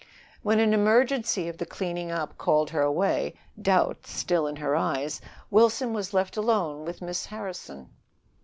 When an emergency of the cleaning up called her away, doubt still in her eyes, Wilson was left alone with Miss Harrison.